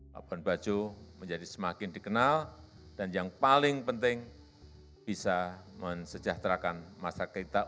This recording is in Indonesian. labuan bajo menjadi semakin dikenal dan yang paling penting bisa mensejahterakan masyarakat kita